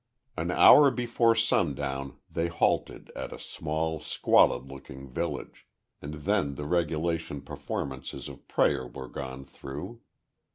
An hour before sundown they halted at a small, squalid looking village and then the regulation performances of prayer were gone through.